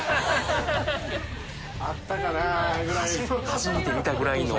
初めて見たぐらいの。